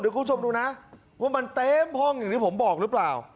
คุณผู้ชมดูนะว่ามันเต็มห้องอย่างที่ผมบอกหรือเปล่า